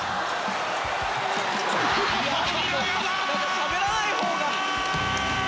しゃべらないほうが。